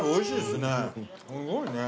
すごいね。